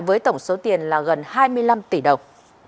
với tổng số tiền là gần hai mươi năm tỷ đồng